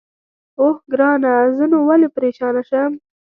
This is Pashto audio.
اوه، ګرانه زه نو ولې پرېشانه شم؟